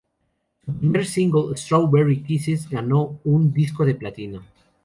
Su primer single, "Strawberry kisses", ganó un disco de platino.